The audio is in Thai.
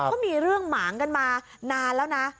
ก็มีเรื่องหมางกันมานานแล้วนะ